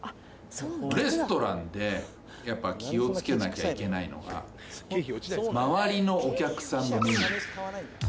レストランでやっぱり気をつけなきゃいけないのが周りのお客さんのメニューですね。